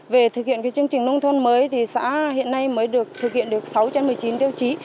về thực hiện chương trình nông thôn mới thì xã hiện nay mới được thực hiện được sáu trên một mươi chín tiêu chí